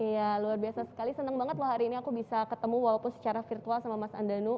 iya luar biasa sekali senang banget loh hari ini aku bisa ketemu walaupun secara virtual sama mas andanu